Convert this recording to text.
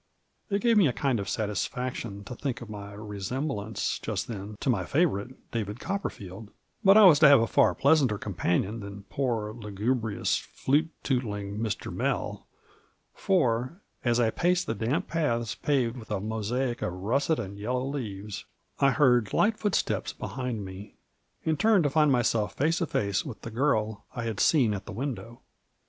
It gave me a kind of satisfaction to think of my re semblance, just then, to my favorite, David Copperfield ; but I was to have a far pleasanter companion than poor, lugubrious, flute tootling Mr. Mell, for as I paced the damp paths paved with a mosaic of russet and yellow leaves, I heard light footsteps behind me, and turned to find myself face to face with the girl I had seen at the window.